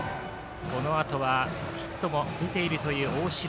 このあとはヒットも打っているという大城。